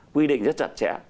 quy định rất chặt chẽ